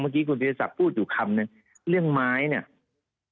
เมื่อกี้คุณวิทยาศักดิ์พูดอยู่คำนึงเรื่องไม้เนี่ย